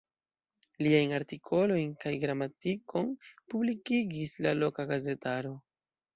Liajn artikolojn kaj gramatikon publikigis la loka gazetaro.